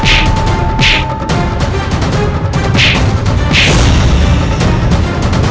untuk bisa menolong paman